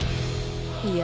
いや。